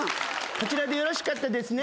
こちらでよろしかったですね？